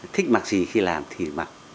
thích mặc gì khi làm thì mặc